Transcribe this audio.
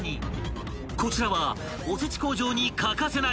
［こちらはおせち工場に欠かせない］